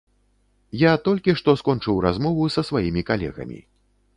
Я толькі што скончыў размову са сваімі калегамі.